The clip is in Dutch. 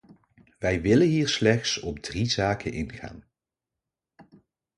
Wij willen hier slechts op drie zaken ingaan.